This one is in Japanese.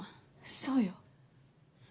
そうよ。